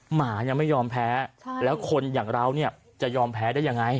หมายังไม่ยอมแพ้แล้วคนอย่างเราเนี่ยจะยอมแพ้ได้ยังไง